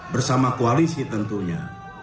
bersama koalisi tentunya